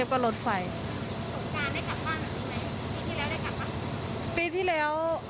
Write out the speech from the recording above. สงสารได้กลับบ้านเหมือนที่ไหนปีที่แล้วได้กลับป่ะ